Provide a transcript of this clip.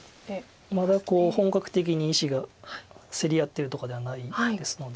まだ本格的に石が競り合ってるとかではないですので。